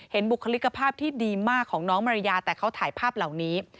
บุคลิกภาพที่ดีมากของน้องมาริยาแต่เขาถ่ายภาพเหล่านี้